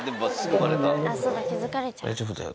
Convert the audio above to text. のり、大丈夫だよ。